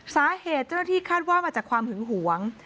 สาเหตุเจ้าหน้าที่คาดว่ามาจากความหึงหวง